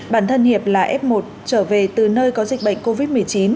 bản thân hiệp là f một trở về từ nơi có dịch bệnh covid một mươi chín